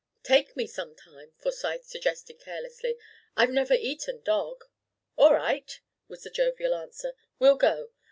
"Take me some time," Forsyth suggested carelessly; "I've never eaten dog." "All right," was the jovial answer, "we'll go.